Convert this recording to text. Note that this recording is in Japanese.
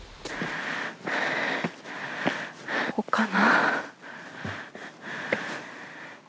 ここかな。